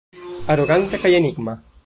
Aroganta kaj enigma.